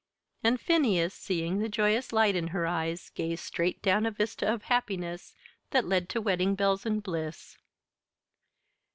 And Phineas, seeing the joyous light in her eyes, gazed straight down a vista of happiness that led to wedding bells and bliss.